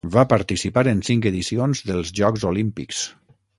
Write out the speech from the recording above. Va participar en cinc edicions dels Jocs Olímpics.